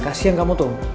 kasian kamu tuh